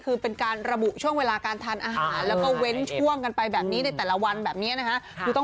คือเป็นการระบุช่วงเวลาการทานอาหารแล้วก็เว้นช่วงกันไปแบบนี้ในแต่ละวันแบบนี้นะคะ